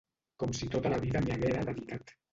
Com si tota la vida m’hi haguera dedicat.